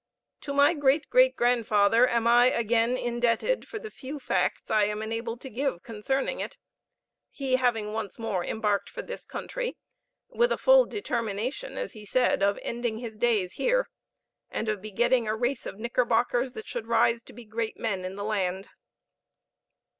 To my great great grandfather am I again indebted for the few facts I am enabled to give concerning it he having once more embarked for this country, with a full determination, as he said, of ending his days here and of begetting a race of Knickerbockers that should rise to be great men in the land.